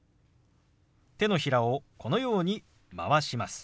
手のひらをこのように回します。